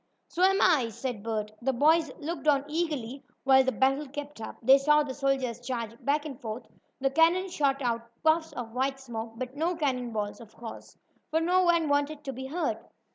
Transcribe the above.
"So am I," said Bert The boys looked on eagerly while the battle kept up. They saw the soldiers charge back and forth. The cannon shot out puffs of white smoke, but no cannon balls, of course, for no one wanted to be hurt.